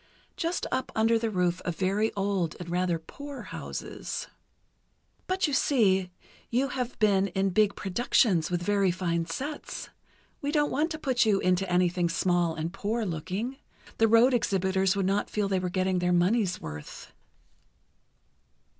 Just up under the roof of very old and rather poor houses." "But you see, you have been in big productions, with very fine sets. We don't want to put you into anything small and poor looking. The road exhibitors would not feel they were getting their money's worth."